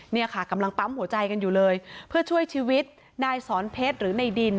เนี่ยค่ะกำลังปั๊มหัวใจกันอยู่เลยเพื่อช่วยชีวิตนายสอนเพชรหรือในดิน